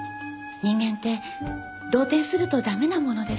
人間って動転すると駄目なものですね。